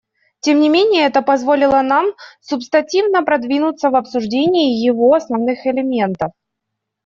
Тем не менее это позволило нам субстантивно продвинуться в обсуждении его основных элементов.